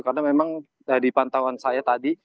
karena memang dari pantauan saya tadi